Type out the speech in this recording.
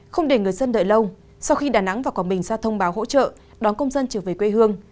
không để người dân đợi lâu sau khi đà nẵng và quảng bình ra thông báo hỗ trợ đón công dân trở về quê hương